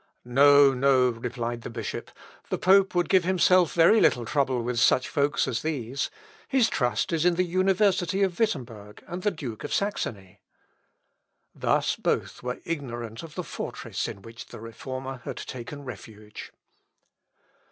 "No! no!" replied the bishop, "the pope would give himself very little trouble with such folks as these. His trust is in the university of Wittemberg and the Duke of Saxony." Thus both were ignorant of the fortress in which the Reformer had taken refuge.